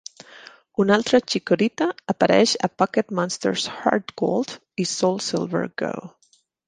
Un altre Chikorita apareix a Pocket Monsters HeartGold i SoulSilver Go!